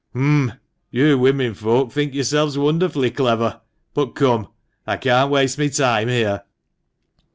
" Um ! You women folk think yourselves wonderfully clever. But come, I can't waste my time here.